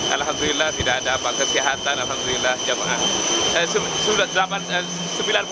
alhamdulillah tidak ada apa apa kesehatan alhamdulillah jemaah haji